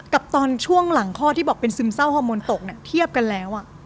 ตอนช่วงหลังคลอดที่บอกเป็นซึมเศร้าฮอร์โมนตกเนี่ยเทียบกันแล้ว